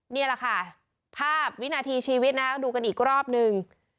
นี่แหละค่ะภาพวินาทีชีวิตนะต้องดูกันอีกรอบนึง